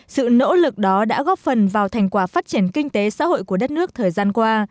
sự nỗ lực đó đã góp phần vào thành quả phát triển kinh tế xã hội của đất nước thời gian qua